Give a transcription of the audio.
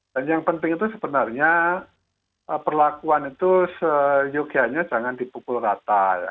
dan yang penting itu sebenarnya perlakuan itu seyogianya jangan dipukul rata ya